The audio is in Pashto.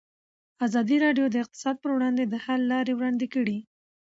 ازادي راډیو د اقتصاد پر وړاندې د حل لارې وړاندې کړي.